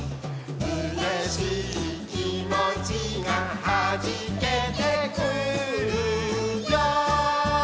「うれしいきもちがはじけてくるよ」